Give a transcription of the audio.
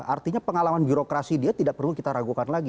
artinya pengalaman birokrasi dia tidak perlu kita ragukan lagi